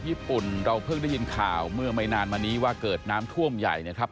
ญี่ปุ่นเราเพิ่งได้ยินข่าวเมื่อไม่นานมานี้ว่าเกิดน้ำท่วมใหญ่นะครับ